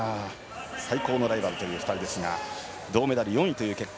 最高のライバルという２人ですが銅メダル４位という結果。